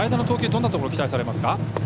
どんなところを期待されますか。